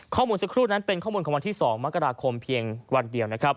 ข้อมูลสักครู่นั้นเป็นข้อมูลของวันที่๒มกราคมเพียงวันเดียวนะครับ